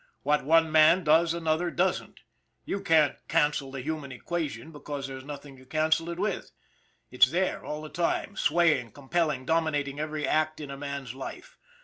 What one man does another doesn't. You can't cancel the human equation because there's nothing to cancel it with ; it's there all the time swaying, compelling, dominating every act in a man's life.